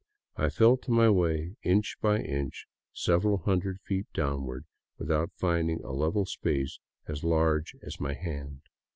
I felt my way inch by inch several hundred feet downward without finding a level space as large as my hand.